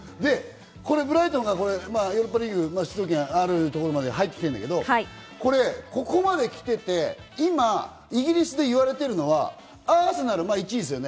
ブライトンがヨーロッパリーグ出場権があるところまで入ってきてるけど、ここまで来てて、今イギリスで言われているのはアーセナルが１位ですよね。